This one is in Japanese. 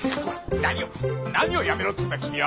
何を何をやめろっつんだキミは。